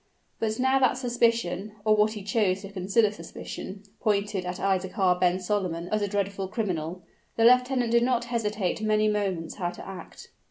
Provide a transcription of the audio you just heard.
But, now that suspicion, or what he chose to consider suspicion, pointed at Isaachar ben Solomon as a dreadful criminal, the lieutenant did not hesitate many moments how to act.